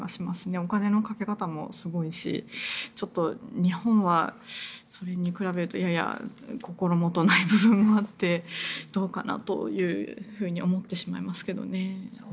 お金のかけ方もすごいしちょっと日本はそれに比べるとやや心もとない部分があってどうかなというふうに思ってしまいますけどね。